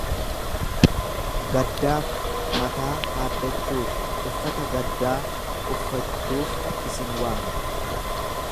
Gaddaaf, mataa haaddachuu fi uffata gaddaa uffachuuf isin waame.